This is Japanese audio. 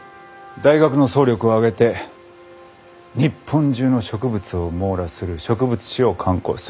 大学の総力を挙げて日本中の植物を網羅する植物志を刊行する。